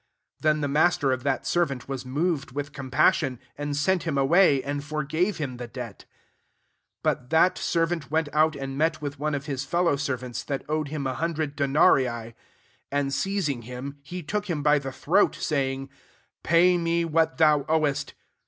27 Then the master of that servant was mov ed with compassion, and sent him away, and forgave him the debt. 28 *• But that servant went outj and met with one of his fellow servants, that owed him a hun dred denarii : t and seizing him, he took /tim by the throat, saying, <Pay [inel what thou owest.'